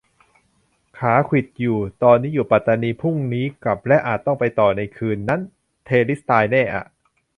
ขาขวิดอยู่ ตอนนี้อยู่ปัตตานี พรุ่งนี้กลับ และอาจต้องไปต่อในคืนนั้น เธสิสตายแน่อ่ะ